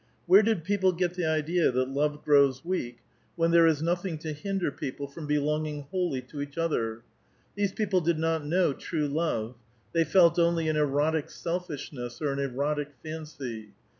Where did people get the idea that love grows weak, when there is 864 A VITAL QUESTION. nothing to hinder people from belonging wholly to each other? These people did not know true love. They felt only an erotic selfishness, or an erotic fancy.